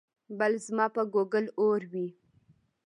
بل ځما په ګوګل اور وي